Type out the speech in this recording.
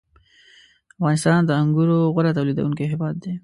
• افغانستان د انګورو غوره تولیدوونکی هېواد دی.